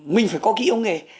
mình phải có cái yêu nghề